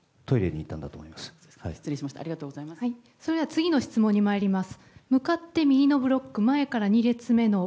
次の質問に参ります。